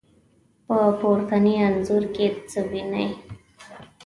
په پورتني انځور کې څه وينئ؟